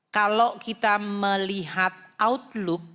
kalau kita melihat outlook